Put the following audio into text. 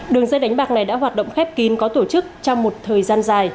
đường dây đánh bạc này đã hoạt động khép kín có tổ chức trong một thời gian dài